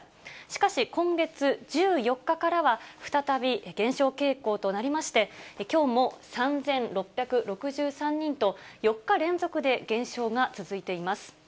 しかし今月１４日からは、再び減少傾向となりまして、きょうも３６６３人と、４日連続で減少が続いています。